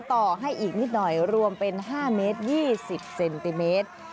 ต่อให้อีกนิดหน่อยรวมเป็น๕เมตร๒๐เซนติเมตร